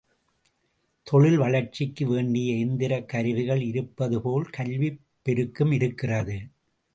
தொழில் வளர்ச்சிக்கு வேண்டிய எந்திரக் கருவிகள் இருப்பதுபோல் கல்விப் பெருக்கும் இருக்கிறது.